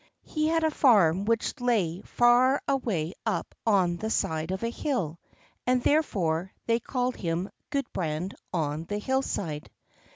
He had a farm which lay far away up on the side of a hill, and therefore they called him Gudbrand on the hillside.